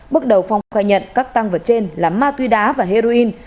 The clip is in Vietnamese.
bước đầu phong khai nhận các tăng vật trên là ma túy đá và heroin